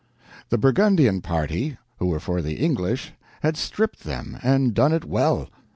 The Burgundian party, who were for the English, had stripped them, and done it well.